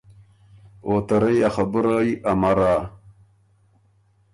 او ته رئ ا خبُرئ امرا۔